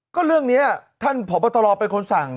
ก็เรื่องนี้อ่ะท่านผอตลอวเป็นคนสั่ง